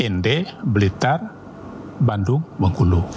nd blitar bandung bengkulu